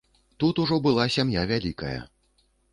Тут ужо была сям'я вялікая.